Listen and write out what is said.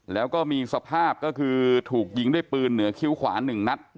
แล้วก็มีสภาพก็คือถูกยิงด้วยปืนเหนือคิ้วขวา๑นัด